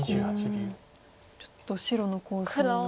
ちょっと白の構想を。